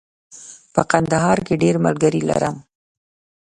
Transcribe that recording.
په کندهار کې ډېر ملګري لرم.